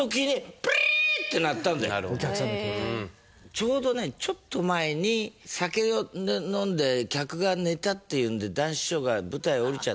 ちょうどねちょっと前に酒を飲んで客が寝たっていうんで。